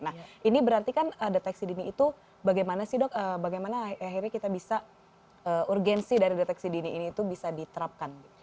nah ini berarti kan deteksi dini itu bagaimana sih dok bagaimana akhirnya kita bisa urgensi dari deteksi dini ini itu bisa diterapkan